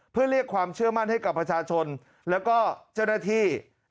เพื่อเรียกความเชื่อมั่นให้กับประชาชนแล้วก็เจ้าหน้าที่